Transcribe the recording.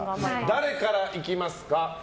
誰から行きますか？